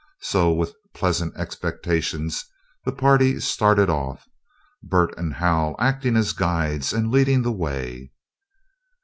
So, with pleasant expectations, the party started off, Bert and Hal acting as guides, and leading the way.